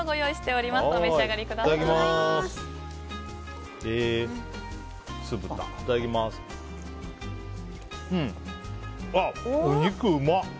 お肉うま！